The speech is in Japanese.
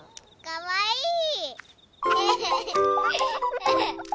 かわいい！